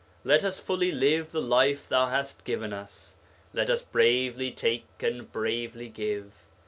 Let us fully live the life thou hast given us, let us bravely take and bravely give.